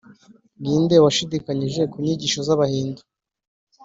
ni nde washidikanyije ku nyigisho z’abahindu?